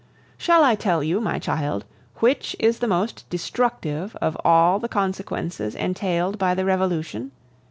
"Shall I tell you, my child, which is the most destructive of all the consequences entailed by the Revolution?